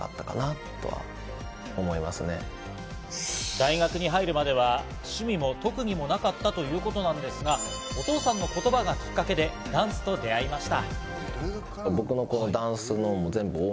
大学に入るまでは、趣味も特技もなかったということなんですが、お父さんの言葉がきっかけでダンスと出会いました。